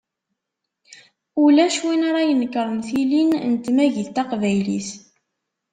Ulac win ara inekṛen tilin n tmagit taqbaylit.